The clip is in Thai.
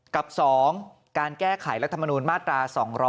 กับ๒การแก้ไขรัฐมนูลมาตรา๒๗